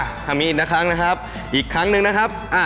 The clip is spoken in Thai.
ทำอย่างงี้อีกหน้าครั้งนะครับอีกครั้งหนึ่งนะครับอ่า